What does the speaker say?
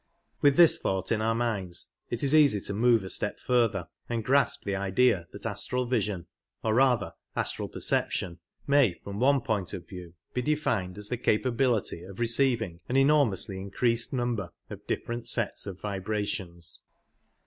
With this thought in our minds it is easy to move a step further, and grasp the idea that astral vision, or rather astral perception, may from one point of view be defined as the capability of receiving an enormously increased number of different sets of vibrations.